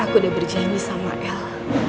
aku sudah berjanji sama el